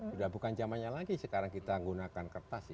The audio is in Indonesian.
sudah bukan zamannya lagi sekarang kita gunakan kertas